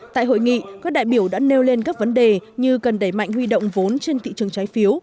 tại hội nghị các đại biểu đã nêu lên các vấn đề như cần đẩy mạnh huy động vốn trên thị trường trái phiếu